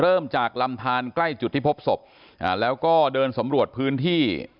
เริ่มจากลำทานใกล้จุดที่พบศพแล้วก็เดินสำรวจพื้นที่